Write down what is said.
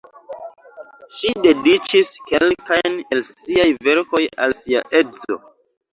Ŝi dediĉis kelkajn el siaj verkoj al sia edzo.